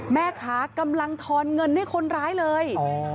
แม่ค้ากำลังทอนเงินให้คนร้ายเลย